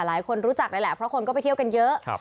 หลายคนรู้จักเลยแหละเพราะคนก็ไปเที่ยวกันเยอะ